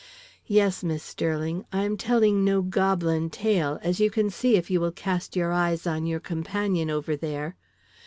Yes, Miss Sterling, I am telling no goblin tale, as you can see if you will cast your eyes on our companion over there.